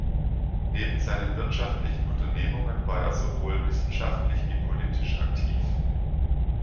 Neben seinen wirtschaftlichen Unternehmungen war er sowohl wissenschaftlich wie politisch aktiv.